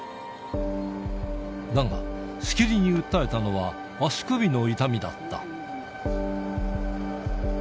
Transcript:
だが、しきりに訴えたのは、足首の痛みだった。